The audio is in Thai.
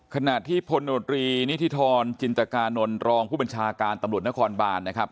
ขณะที่พลโนตรีนิธิธรจินตกานนท์รองผู้บัญชาการตำรวจนครบานนะครับ